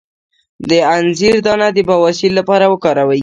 د انځر دانه د بواسیر لپاره وکاروئ